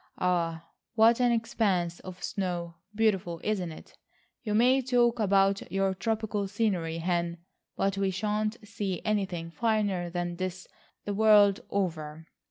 Ah, what an expanse of snow. Beautiful, isn't it? You may talk about your tropical scenery, Hen, but we shan't see anything finer than this the world over.